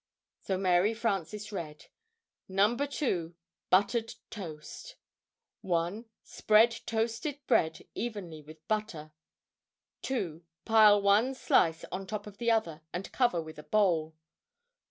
So Mary Frances read: NO. 2. BUTTERED TOAST. 1. Spread toasted bread evenly with butter. 2. Pile one slice on top of the other, and cover with a bowl.